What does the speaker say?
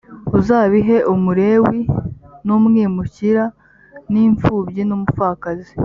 uzabihe umulewi n umwimukira n imfubyi n umupfakazi